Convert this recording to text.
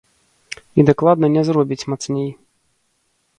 І дакладна не зробіць мацней.